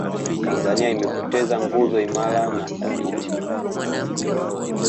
tanzania imepoteza nguzo imara na thabiti